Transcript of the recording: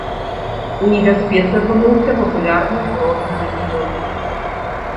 У небяспецы апынуўся папулярны курортны рэгіён.